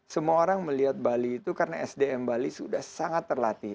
semua orang melihat bali itu karena sdm bali sudah sangat terlatih